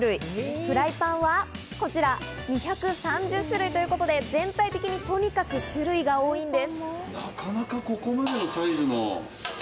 フライパンはこちら、２３０種類ということで、全体的にとにかく種類が多いんです。